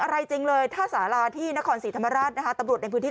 อะไรจริงเลยท่าสาราที่นครศรีธรรมราชนะคะตำรวจในพื้นที่